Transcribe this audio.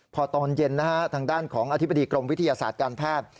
พอตอนเย็นทางด้านของอธิบดีกรมวิทยาศาสตร์การแพทย์